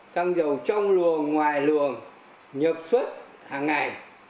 xăng dầu trong luồng ngoài luồng nhập xuất hàng ngày